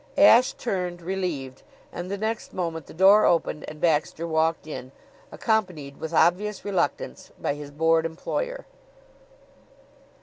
Ashe turned, relieved, and the next moment the door opened and Baxter walked in, accompanied with obvious reluctance by his bored employer.